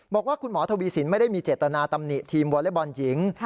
บอกว่าคุณหมอทวีสินไม่ได้มีเจตนาตำหนิทีมวอเล็กบอลหญิง